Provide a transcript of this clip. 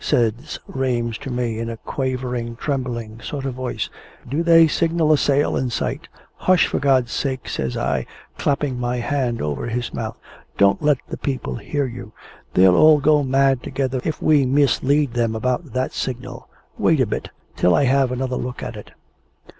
says Rames to me in a quavering, trembling sort of voice. "Do they signal a sail in sight?" "Hush, for God's sake!" says I, clapping my hand over his mouth. "Don't let the people hear you. They'll all go mad together if we mislead them about that signal. Wait a bit, till I have another look at it."